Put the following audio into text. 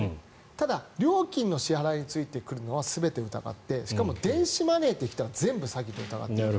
ただ、料金の支払いについて来るのは全て疑ってしかも電子マネーと来たら全部詐欺と疑ってもらって。